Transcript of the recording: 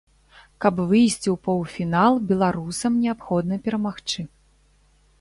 Каб выйсці ў паўфінал, беларусам неабходна перамагчы.